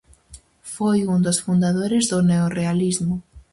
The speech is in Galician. Foi un dos fundadores do neorrealismo.